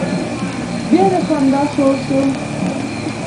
بيا د خندا شور شو.